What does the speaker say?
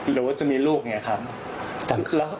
หรือว่าจะมีลูกอย่างนี้นะครับ